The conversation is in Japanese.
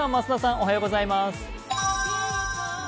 おはようございます。